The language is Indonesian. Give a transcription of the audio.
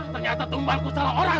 ternyata tumbarchu salah orang